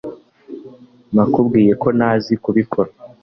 nakubwiye ko ntazi kubikora